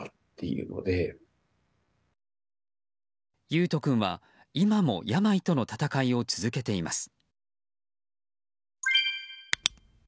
維斗君は今も病との闘いを続けています。